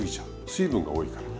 水分が多いから。